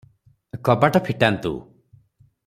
କବାଟ ଫିଟାନ୍ତୁ ।"